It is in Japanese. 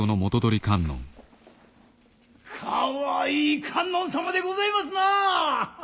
かわいい観音様でございますな。